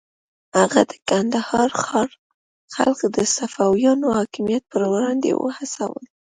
هغه د کندهار ښار خلک د صفویانو حاکمیت پر وړاندې وهڅول.